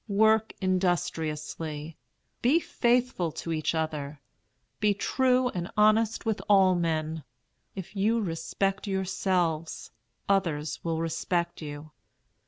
Work industriously. Be faithful to each other; be true and honest with all men. If you respect yourselves, others will respect you.